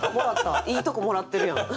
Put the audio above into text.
いいとこもらってるやん。